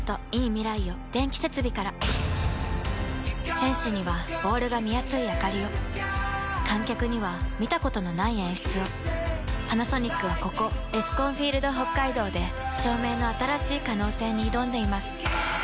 選手にはボールが見やすいあかりを観客には見たことのない演出をパナソニックはここエスコンフィールドＨＯＫＫＡＩＤＯで照明の新しい可能性に挑んでいます